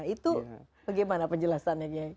itu bagaimana penjelasannya